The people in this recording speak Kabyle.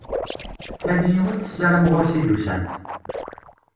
Tal yiwet tessaram ɣur-s i d-usant.